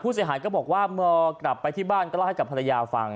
เสียหายก็บอกว่าเมื่อกลับไปที่บ้านก็เล่าให้กับภรรยาฟัง